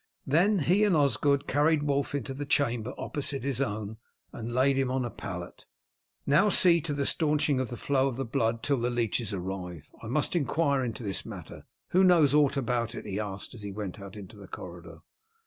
Then he and Osgod carried Wulf into the chamber opposite his own, and laid him on a pallet. "Now see to the staunching of the flow of blood till the leeches arrive. I must inquire into this matter. Who knows aught about it?" he asked as he went out into the corridor.